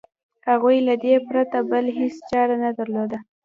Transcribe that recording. هغوی له دې پرته بله هېڅ چاره نه درلوده.